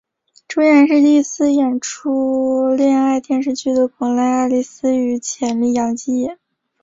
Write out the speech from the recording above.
主演是第一次演出恋爱电视剧的广濑爱丽丝与浅利阳介。